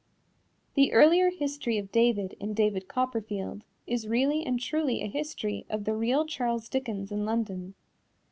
The earlier history of David in David Copperfield is really and truly a history of the real Charles Dickens in London.